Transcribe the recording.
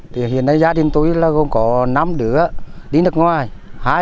thì hiện nay gia đình tôi là gồm có năm đứa đi nước ngoài